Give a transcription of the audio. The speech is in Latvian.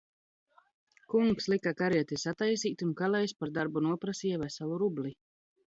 Kungs lika karieti satais?t, un kal?js par darbu nopras?ja veselu rubli.